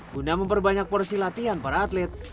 guna memperbanyak porsi latihan para atlet